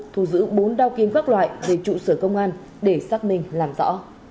thu giữ bốn đao kiếm các loại về trụ sửa công an để xác minh làm rõ